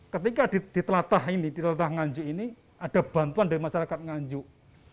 ketika ditelatah ini ditelatah nganjuk ini ada bantuan dari masyarakat nganjuk